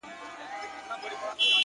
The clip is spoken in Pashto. ترخه كاتــه دي د اروا اوبـو تـه اور اچوي’